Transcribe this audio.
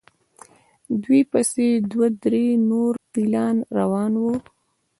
د دوی پسې دوه درې نور فیلان روان وو.